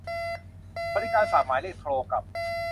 บริการฝากหมายเลขโทรกลับ